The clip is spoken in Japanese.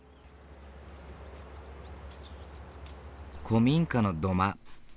古民家の土間。